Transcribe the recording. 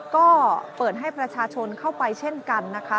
ก็เปิดให้ประชาชนเข้าไปเช่นกันนะคะ